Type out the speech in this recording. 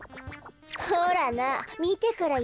ほらなみてからいえよ。